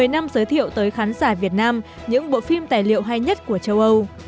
một mươi năm giới thiệu tới khán giả việt nam những bộ phim tài liệu hay nhất của châu âu